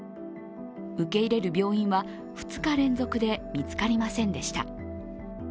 受け入れる病院は、２日連続で見つかりませんでした。